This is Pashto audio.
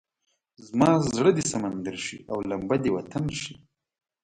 زما زړه دې سمندر شي او لمبه دې وطن شي.